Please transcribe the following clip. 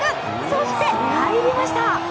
そして、入りました！